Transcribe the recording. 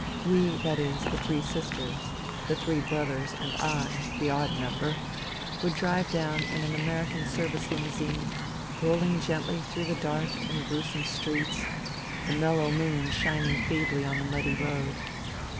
We, that is, the three sisters, the " three brothers " and I (the odd number), would drive down in an American Service limousine, rolling gently through the dark and gruesome streets, the mellow moon shining feebly on the muddy road.